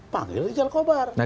panggil rijal kobar